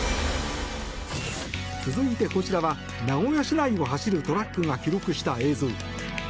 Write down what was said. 続いて、こちらは名古屋市内を走るトラックが記録した映像。